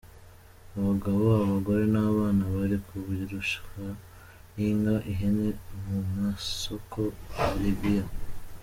Abagabo, abagore n’abana bari kugurishwa nk’inka n’ihene mu masoko ya Libya.